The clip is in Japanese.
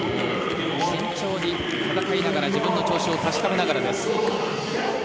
慎重に戦いながら自分の調子を確かめながらです。